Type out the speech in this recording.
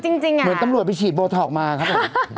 คือจริงอ่ะเหมือนตำรวจไปฉีดโบท็อกมาครับ